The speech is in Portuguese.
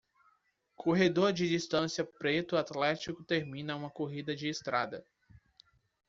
Corredor de distância preto atlético termina uma corrida de estrada